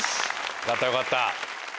よかったよかった。